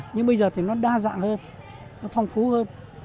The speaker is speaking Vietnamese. nhưng bây giờ thì nó đa dạng hơn nó phong phú hơn